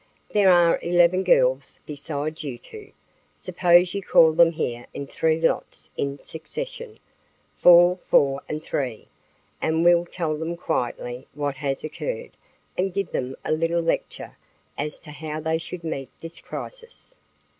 There are eleven girls besides you two. Suppose you call them here in three lots in succession, four, four, and three, and we'll tell them quietly what has occurred and give them a little lecture as to how they should meet this crisis."